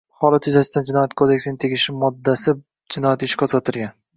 Holat yuzasidan Jinoyat kodeksining tegishli moddasi jinoyat ishi qo‘zg‘atilgan